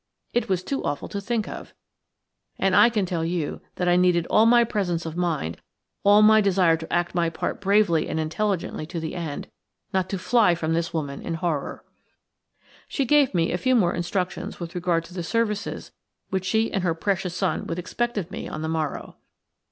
It was too awful to think of, and I can tell you that I needed all my presence of mind, all my desire to act my part bravely and intelligently to the end, not to fly from this woman in horror. She gave me a few more instructions with regard to the services which she and her precious son would expect of me on the morrow.